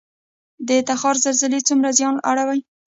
د تخار زلزلې څومره زیان اړوي؟